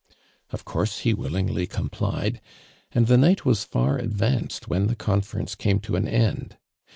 Of course he wil lingly complied and the night was far ad vanct^d when the conference came to an end.